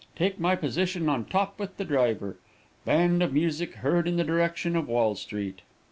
Take my position on top with the driver. Band of music heard in the direction of Wall street.